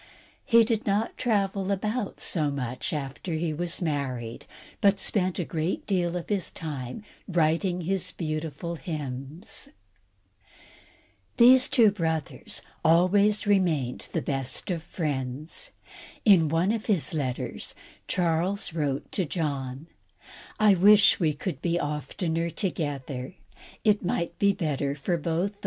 He did not travel about so much after he was married, but spent a great deal of his time writing his beautiful hymns. These two brothers always remained the best of friends. In one of his letters, Charles wrote to John: "I wish we could be oftener together; it might be better for us both.